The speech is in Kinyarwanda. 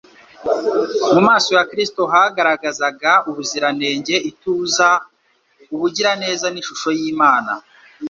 mu maso ha Kristo hagaragazaga ubuziranenge, ituza, ubugiraneza n'ishusho y'Imana.